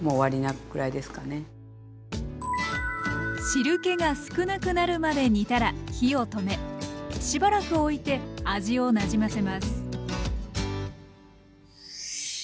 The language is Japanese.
汁けが少なくなるまで煮たら火を止めしばらくおいて味をなじませます。